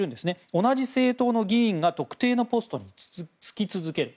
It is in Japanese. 同じ政党の議員が特定のポストに就き続ける。